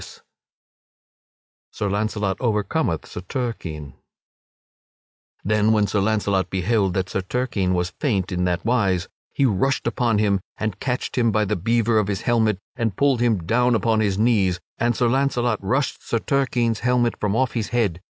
[Sidenote: Sir Launcelot overcometh Sir Turquine] Then when Sir Launcelot beheld that Sir Turquine was faint in that wise, he rushed upon him and catched him by the beaver of his helmet and pulled him down upon his knees. And Sir Launcelot rushed Sir Turquine's helmet from off his head.